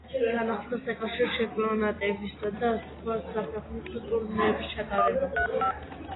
განახლდა საკავშირო ჩემპიონატებისა და სხვა საფეხბურთო ტურნირების ჩატარება.